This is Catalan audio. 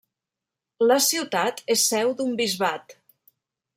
La ciutat és seu d'un bisbat.